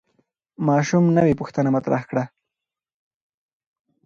ماشوم نوې پوښتنه مطرح کړه